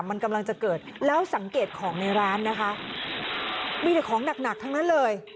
มันกำลังจะเกิดแล้วสังเกตของในร้านนะคะมีแต่ของหนักหนักทั้งนั้นเลย